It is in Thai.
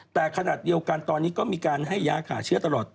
แต่ขณะเดียวกันตอนนี้ก็มีการให้ยาขาเชื้อตลอด